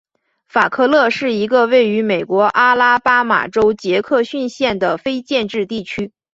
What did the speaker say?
法克勒是一个位于美国阿拉巴马州杰克逊县的非建制地区。